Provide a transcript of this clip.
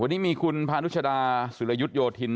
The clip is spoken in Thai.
วันนี้มีคุณพานุชดาสุรยุทธโยธิน